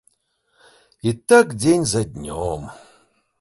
І так дзень за днём.